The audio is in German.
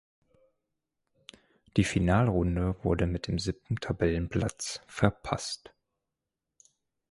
Die Finalrunde wurde mit dem siebten Tabellenplatz verpasst.